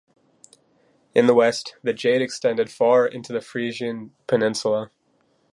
In the west, the Jade extended far into the Frisian peninsula.